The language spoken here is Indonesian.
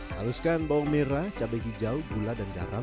haluskan bawang merah cabai hijau gula dan garam